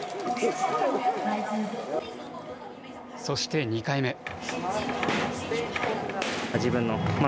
そして２回目。